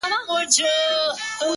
څنگه دي وستايمه;